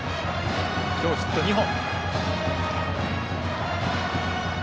今日、ヒット２本。